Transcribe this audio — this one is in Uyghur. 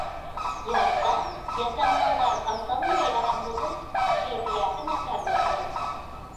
يازدا ياشانغانلار ئاسانلا بىئارام بولۇپ كەيپىياتى ناچارلىشىدۇ.